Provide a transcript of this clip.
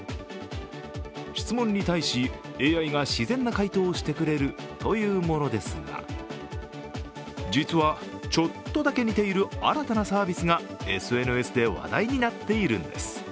質問に対し、ＡＩが自然な回答をしてくれるというものですが実は、ちょっとだけ似ている新たなサービスがＳＮＳで話題になっているんです。